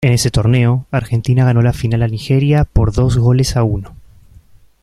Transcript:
En ese torneo Argentina ganó la final a Nigeria por dos goles a uno.